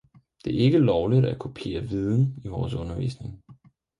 Det er ikke lovligt at kopiere viden i vores undervisning.